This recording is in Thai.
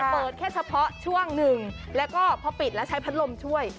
เปิดแค่เฉพาะช่วงหนึ่งแล้วก็พอปิดแล้วใช้พัดลมช่วย